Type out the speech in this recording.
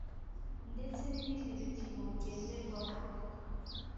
ndetse n ibindi bipimo ngenderwaho